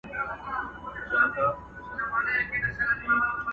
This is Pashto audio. چي ته مه ژاړه پیسې مو دربخښلي!.